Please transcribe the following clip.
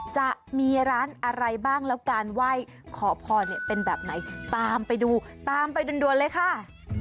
จะมีร้านอะไรบ้างแล้วการไหว้ขอพรเนี่ยเป็นแบบไหนตามไปดูตามไปด่วนเลยค่ะ